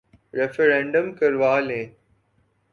Referendum کروا لیں۔